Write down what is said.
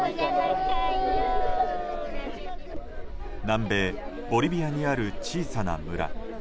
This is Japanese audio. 南米ボリビアにある小さな村。